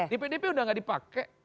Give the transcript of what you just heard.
di pdp udah gak dipakai